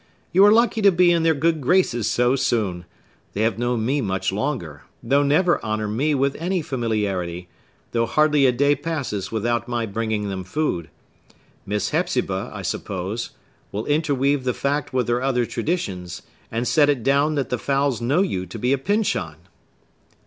You are lucky to be in their good graces so soon! They have known me much longer, but never honor me with any familiarity, though hardly a day passes without my bringing them food. Miss Hepzibah, I suppose, will interweave the fact with her other traditions, and set it down that the fowls know you to be a Pyncheon!"